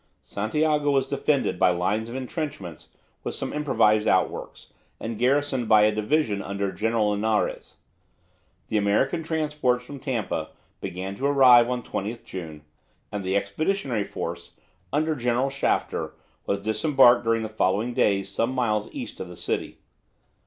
Santiago was defended by lines of entrenchments with some improvised outworks, and garrisoned by a division under General Linares. The American transports from Tampa began to arrive on 20 June, and the expeditionary force, under General Shafter, was disembarked during the following days some miles east of the city.